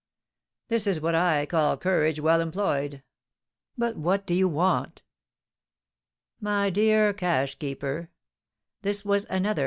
"This is what I call courage well employed! But what do you want?" "My dear cashkeeper" (this was another of M.